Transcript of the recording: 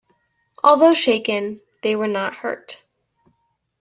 Although shaken, they were not hurt.